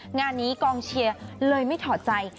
งานนี้กองเชียร์เลยไม่ถอดใจ